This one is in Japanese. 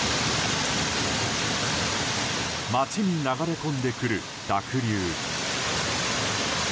街に流れ込んでくる濁流。